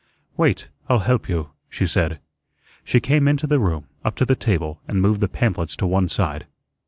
"Wait, I'll help you," she said. She came into the room, up to the table, and moved the pamphlets to one side.